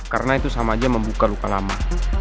karena itu sama aja membuka luka lama